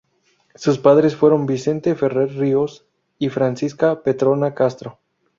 Sus padres fueron Vicente Ferrer Ríos y Francisca Petrona Castro.